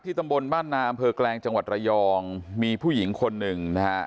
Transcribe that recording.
ตำบลบ้านนาอำเภอแกลงจังหวัดระยองมีผู้หญิงคนหนึ่งนะฮะ